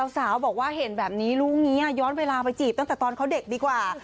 สาวบอกว่าเห็นแบบนี้ลูกนี้ย้อนเวลาไปจีบตั้งแต่ตอนเขาเด็กดีกว่า